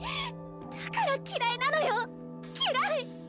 だから嫌いなのよ嫌い